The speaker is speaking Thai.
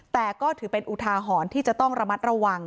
แต่ก็ถือเป็นอุทาหรณ์ที่จะต้องระมัดระวัง